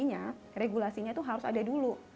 artinya regulasinya itu harus ada dulu